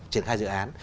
triển khai dự án